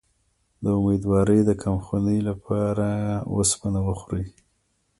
د امیدوارۍ د کمخونی لپاره اوسپنه وخورئ